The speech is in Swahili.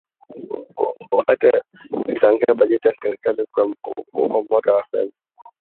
wakati akitangaza bajeti ya serikali kwa mwaka wa fedha